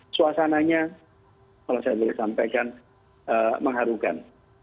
suasananya kalau saya boleh sampaikan mengharukan